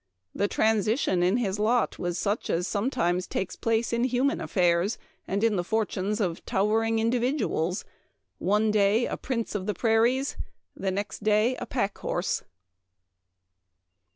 The transition in his lot was such as sometimes take place in human affairs and in the fortunes of towering individuals ; one day a prince of the prairies, the next day a pack horse